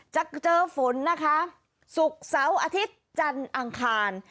จะเจอฝนนะคะศุกร์เสาร์อาทิตย์จันทร์อังคาร